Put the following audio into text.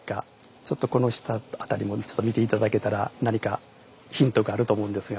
ちょっとこの下辺りも見て頂けたら何かヒントがあると思うんですが。